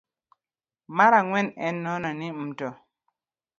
Mar ang'wen en neno ni mto